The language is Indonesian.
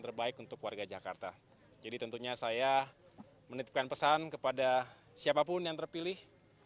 terbaik untuk warga jakarta jadi tentunya saya menitipkan pesan kepada siapapun yang terpilih